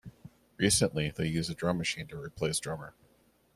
Recently, they use a drum machine to replace drummer.